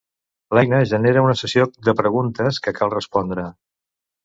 L'eina genera una sessió de preguntes que cal respondre.